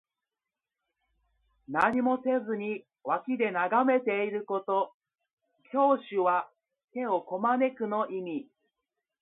何もせずに脇で眺めていること。「拱手」は手をこまぬくの意味。